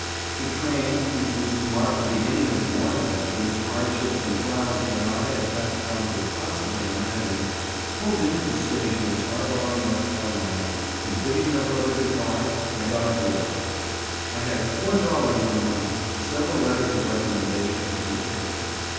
The train, which was to mark the beginning of more adventures, hardships and trials than I, at that time, could possibly imagine, pulled into the station at Tarboro, N. C., and bidding my brother good bye, I got aboard. I had four dollars in money, several letters of recommendation, and a ticket.